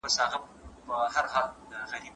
که لباس وي نو کالي نه رنګیږي.